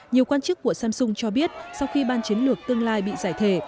nhiều quan chức của samsung cho biết sau khi ban chiến lược tương lai bị giải thể